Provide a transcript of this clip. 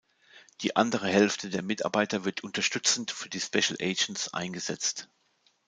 Die andere Hälfte der Mitarbeiter wird unterstützend für die "Special Agents" eingesetzt.